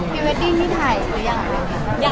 พี่เวดดิ่งหรือยังถ่ายไม่ได้ฮะค่ะ